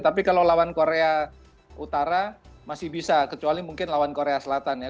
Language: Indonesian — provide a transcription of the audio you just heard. tapi kalau lawan korea utara masih bisa kecuali mungkin lawan korea selatan ya